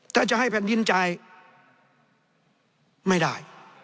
ถ้าจะให้แผ่นดินจ่ายไม่ได้